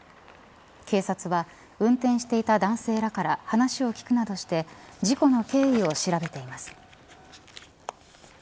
警察は運転していた男性らから話を聞くなどして事故の経緯を調べています。